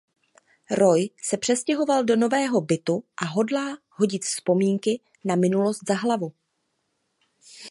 Roy se přestěhoval do nového bytu a hodlá hodit vzpomínky na minulost za hlavu.